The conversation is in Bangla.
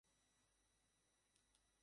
প্রধান রপ্তানিদ্রব্য তৈরি পোশাক।